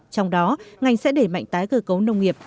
trong đó ngành sẽ để mạnh tái cơ cấu nông nghiệp